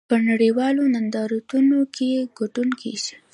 په نړیوالو نندارتونونو کې ګډون کیږي